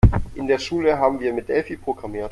In der Schule haben wir mit Delphi programmiert.